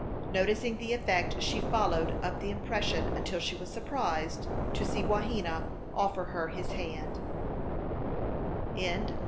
Noticing the effect, she followed up the impression until she was surprised to see Wahena offer her his hand.